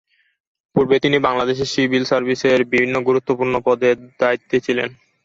ইতোপূর্বে তিনি বাংলাদেশ সিভিল সার্ভিসের বিভিন্ন গুরুত্বপূর্ণ পদে দায়িত্বে ছিলেন।